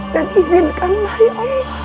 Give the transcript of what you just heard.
dan izinkanlah ya allah